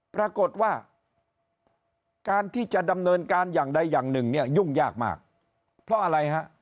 ปรากฏว่าการที่จะดำเนินการอย่างใดอย่างหนึ่งเนี่ยยุ่งยากมากเพราะอะไรฮะ